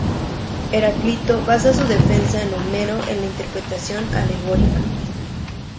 Heráclito basa su defensa de Homero en la interpretación alegórica.